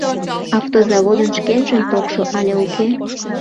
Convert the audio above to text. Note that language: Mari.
Автозаводын шкенжын токшо але уке.